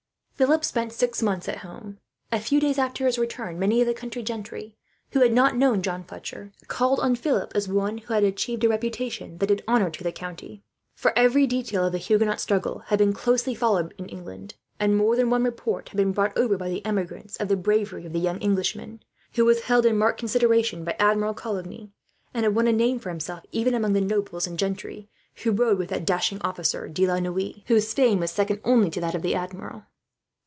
Philip spent six months at home. A few days after his return many of the country gentry, who had not known John Fletcher, called on Philip, as one who had achieved a reputation that did honour to the county for every detail of the Huguenot struggle had been closely followed, in England; and more than one report had been brought over, by emigres, of the bravery of a young Englishman who was held in marked consideration by Admiral Coligny, and had won a name for himself, even among the nobles and gentlemen who rode with that dashing officer De La Noue, whose fame was second only to that of the Admiral.